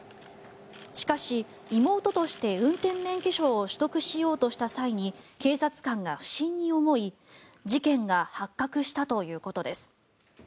しかし、妹として運転免許証を取得しようとした際に警察官が不審に思い事件が発覚したということです。